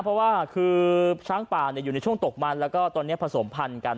เพราะว่าคือช้างป่าอยู่ในช่วงตกมันแล้วก็ตอนนี้ผสมพันธุ์กัน